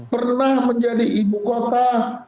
pernah menjadi ibu kota